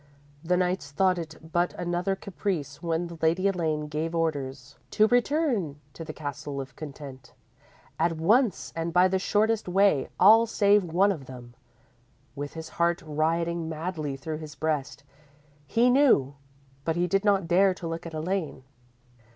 _ _The knights thought it but another caprice when the Lady Elaine gave orders to return to the Castle of Content, at once, and by the shortest way all save one of them. With his heart rioting madly through his breast, he knew, but he did not dare to look at Elaine.